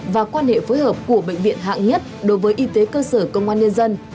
và quan hệ phối hợp của bệnh viện hạng nhất đối với y tế cơ sở công an nhân dân